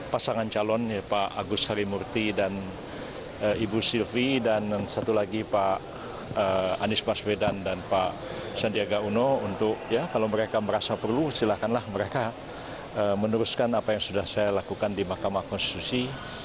pasangan calon ya pak agus harimurti dan ibu sylvi dan satu lagi pak anies baswedan dan pak sandiaga uno untuk ya kalau mereka merasa perlu silakanlah mereka meneruskan apa yang sudah saya lakukan di mahkamah konstitusi